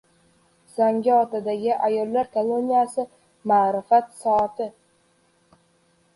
Zangiotadagi ayollar koloniyasida "Ma’rifat soati"